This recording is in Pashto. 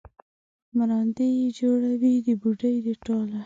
مراندې یې جوړې د بوډۍ د ټاله